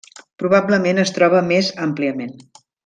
Probablement es troba més àmpliament.